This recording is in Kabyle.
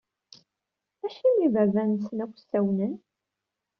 Acimi iberdan-nsen akk ssawnen?